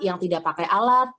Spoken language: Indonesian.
yang tidak pakai alat